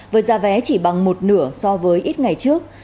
với giá vé chỉ bằng một nửa so với ít ngày trước